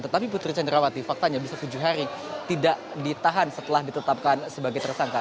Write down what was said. tetapi putri candrawati faktanya bisa tujuh hari tidak ditahan setelah ditetapkan sebagai tersangka